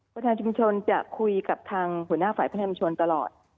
ประธานชุมชนจะคุยกับทางหัวหน้าฝ่ายพระธรรมชนตลอด